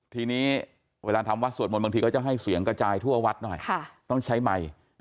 ทีนี้เวลาทำวัดสวดมนต์บางทีก็จะให้เสียงกระจายทั่ววัดหน่อยต้องใช้ไมค์